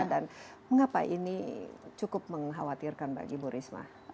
dan mengapa ini cukup mengkhawatirkan bagi bu risma